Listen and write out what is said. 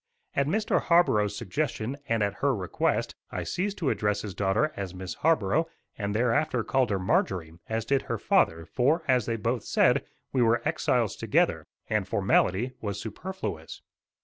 At Mr. Harborough's suggestion and at her request I ceased to address his daughter as Miss Harborough, and thereafter called her Marjorie, as did her father; for, as they both said, we were exiles together, and formality was superfluous.